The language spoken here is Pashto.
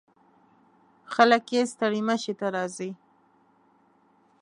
خلک یې ستړي مشي ته راځي.